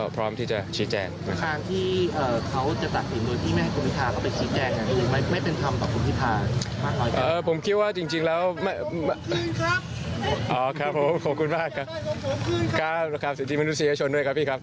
ผมคิดว่าจริงแล้ว